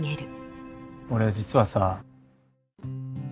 俺実はさ。